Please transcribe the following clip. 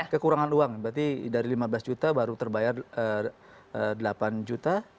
kekurangan uang berarti dari lima belas juta baru terbayar delapan juta